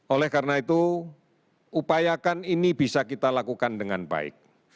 oleh karena itu upayakan ini bisa kita lakukan dengan baik